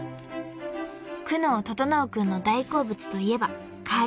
［久能整君の大好物といえばカレー］